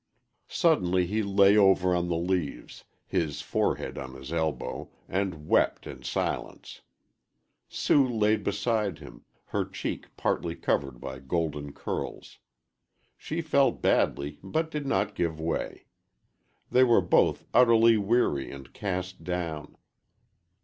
Suddenly he lay over on the leaves, his forehead on his elbow, and wept in silence. Sue lay beside him, her cheek partly covered by golden curls. She felt badly, but did not give way. They were both utterly weary and cast down.